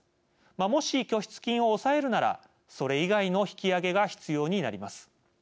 もし拠出金を抑えるならそれ以外の引き上げが必要になります。